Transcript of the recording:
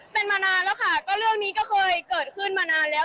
เป็นมานานแล้วค่ะก็เรื่องนี้ก็เคยเกิดขึ้นมานานแล้ว